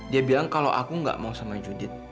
dia bilang kalau aku gak mau sama judid